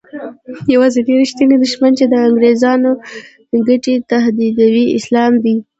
یوازینی رښتینی دښمن چې د انګریزانو ګټې تهدیدوي اسلام دی.